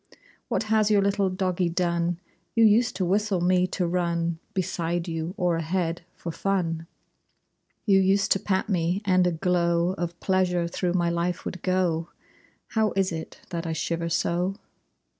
What has your little doggie done? You used to whistle me to run Beside you, or ahead, for fun! You used to pat me, and a glow Of pleasure through my life would go! How is it that I shiver so?